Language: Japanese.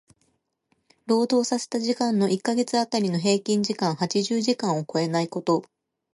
労働させた時間の一箇月当たりの平均時間八十時間を超えないこと。